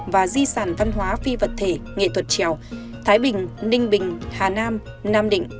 và di sản văn hóa phi vật thể nghệ thuật trèo thái bình ninh bình hà nam nam định